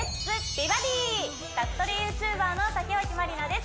美バディ」宅トレＹｏｕＴｕｂｅｒの竹脇まりなです